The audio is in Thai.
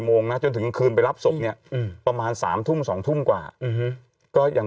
โมงนะจนถึงคืนไปรับศพเนี่ยประมาณ๓ทุ่ม๒ทุ่มกว่าก็ยัง